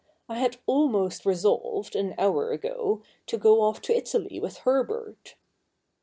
I had almost resolved, an hour ago, to go off to Italy with Herbert.'